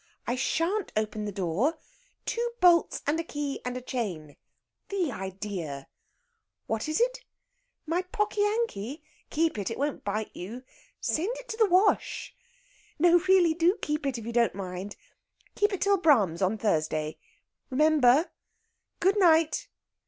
"I shan't open the door ... two bolts and a key and a chain the idea! What is it?... My pocky anky?... Keep it, it won't bite you ... send it to the wash!... No, really, do keep it if you don't mind keep it till Brahms on Thursday. Remember! Good night."